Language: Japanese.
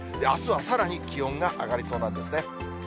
あすはさらに気温が上がりそうなんですね。